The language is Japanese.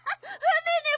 ねえねえ